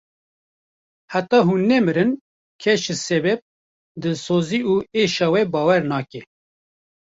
Heta hûn nemirin kes ji sebeb, dilsozî û êşa we bawer nake.